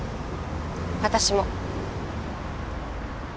私も。